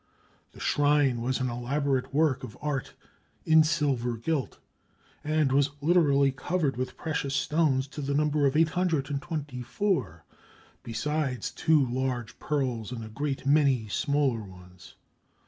The shrine was an elaborate work of art in silver gilt, and was literally covered with precious stones to the number of 824, besides two large pearls and a great many smaller ones.